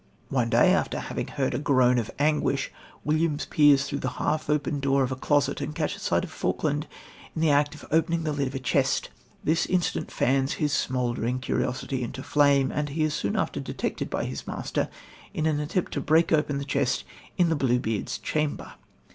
One day, after having heard a groan of anguish, Williams peers through the half open door of a closet, and catches sight of Falkland in the act of opening the lid of a chest. This incident fans his smouldering curiosity into flame, and he is soon after detected by his master in an attempt to break open the chest in the "Bluebeard's chamber."